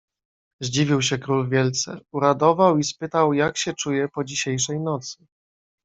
"Zdziwił się król wielce, uradował i spytał, jak się czuje po dzisiejszej nocy."